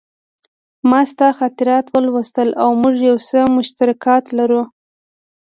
ما ستا خاطرات ولوستل او موږ یو څه مشترکات لرو